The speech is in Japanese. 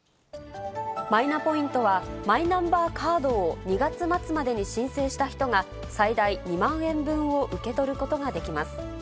マイナポイントは、マイナンバーカードを２月末までに申請した人が、最大２万円分を受け取ることができます。